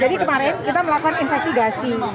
jadi kemarin kita melakukan investigasi